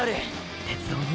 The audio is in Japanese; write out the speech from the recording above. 鉄道に？